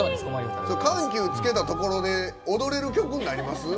緩急をつけたところで踊れる曲になります？